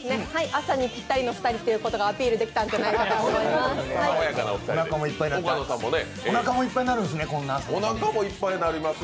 朝にぴったりの２人ということがアピールできたんじゃないかと思います。